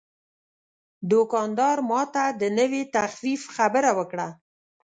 دوکاندار ماته د نوې تخفیف خبره وکړه.